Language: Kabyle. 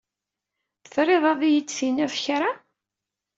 Triḍ ad iyi-d-tiniḍ kra?